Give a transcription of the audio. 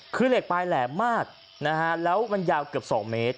เครื่องเหล็กปลายแหลมมากแล้วจะเยาคือ๒เมตร